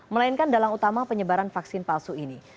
melainkan dalang utama penyebaran vaksin palsu ini